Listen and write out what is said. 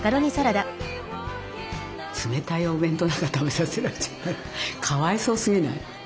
冷たいお弁当なんか食べさせられちゃったらかわいそうすぎない？